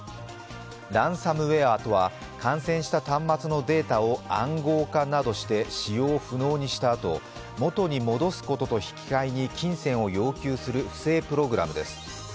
ランサムウェアとは感染した端末のデータを暗号化などで使用不能にしたあと元に戻すことと引き換えに金銭を要求する不正プログラムです。